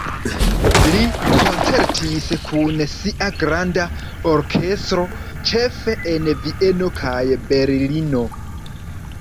Li koncertis kun sia granda orkestro ĉefe en Vieno kaj Berlino.